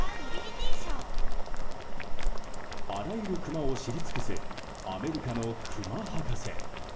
あらゆるクマを知り尽くすアメリカのクマ博士。